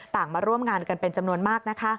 ต่างมาร่วมงานกันเป็นจำนวนมาก